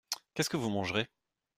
Qu’est-ce que vous mangerez ?